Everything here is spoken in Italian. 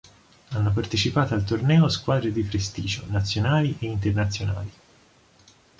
Hanno partecipato al torneo squadre di prestigio, nazionali ed internazionali.